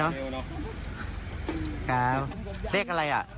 เวลากินีทฯ